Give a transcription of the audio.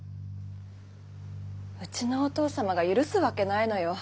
うちのお父様が許すわけないのよ。